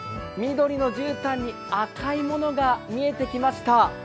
緑のじゅうたんに赤いものが見えてきました。